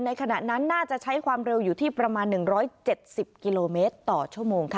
ในขณะนั้นน่าจะใช้ความเร็วอยู่ที่ประมาณหนึ่งร้อยเจ็ดสิบกิโลเมตรต่อชั่วโมงค่ะ